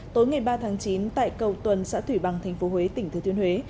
tối ngày ba tháng chín tại cầu tuần xã thủy bằng tp huế tỉnh thứ tuyên huế